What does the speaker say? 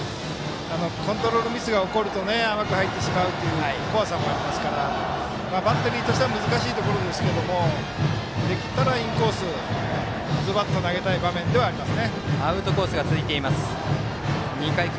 コントロールミスが起こると甘く入ってしまうという怖さもありますからバッテリーとしては難しいところですけどできたらインコースズバッと投げたい場面ではあります。